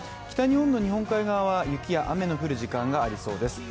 北日本の日本海側は雪や雨の降る時間がありそうです。